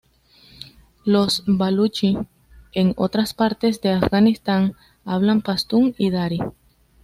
Los baluchi en otras partes de Afganistán hablan pastún y dari.